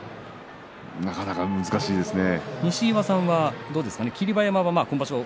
なかなか難しいですね。